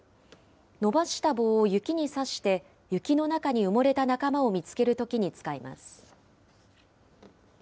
伸ばした棒を雪に刺して、雪の中に埋もれた仲間を見つけるときに使います。